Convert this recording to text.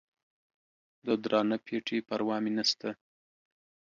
د درانه پېټي پروا مې نسته